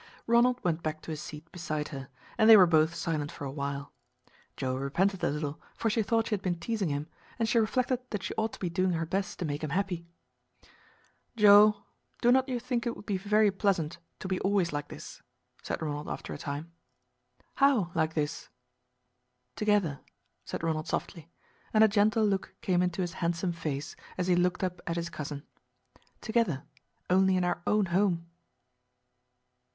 Ronald went back to his seat beside her, and they were both silent for a while. Joe repented a little, for she thought she had been teasing him, and she reflected that she ought to be doing her best to make him happy. "Joe do not you think it would be very pleasant to be always like this?" said Ronald after a time. "How like this?" "Together," said Ronald softly, and a gentle look came into his handsome face, as he looked up at his cousin. "Together only in our own home."